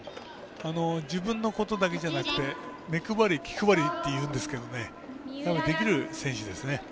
自分のことだけじゃなくて目配り、気配りっていうんですがそれができる選手ですね。